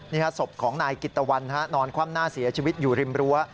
ศพของนายกิตตะวันนอนคว่ำหน้าเสียชีวิตอยู่ริมรั้ว